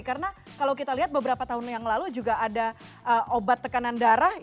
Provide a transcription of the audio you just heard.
karena kalau kita lihat beberapa tahun yang lalu juga ada obat tekanan darah